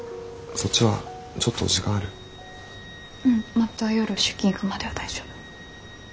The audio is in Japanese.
また夜出勤行くまでは大丈夫。